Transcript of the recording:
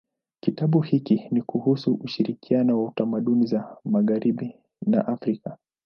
Kitabu hiki ni kuhusu ushirikiano wa tamaduni za magharibi na Afrika.